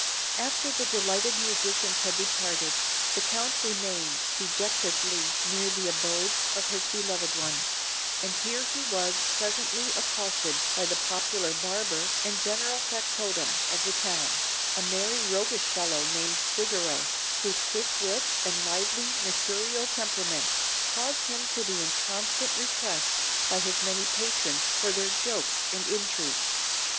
After the delighted musicians had departed, the Count remained dejectedly near the abode of his beloved one; and here he was presently accosted by the popular barber and general factotum of the town, a merry roguish fellow named Figaro, whose quick wit and lively mercurial temperament caused him to be in constant request by his many patrons for their jokes and intrigues.